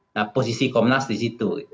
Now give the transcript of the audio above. nah posisi komnas di situ